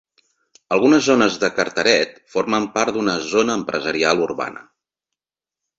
Algunes zones de Carteret formen part d'una Zona Empresarial Urbana.